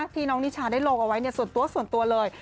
ที่น้องนิช่าได้ลงเอาไว้ส่วนตัวเลย